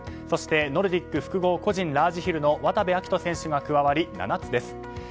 そして、ノルディック複合個人ラージヒルの渡部暁斗選手が加わり７つです。